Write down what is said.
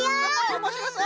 おもしろそう！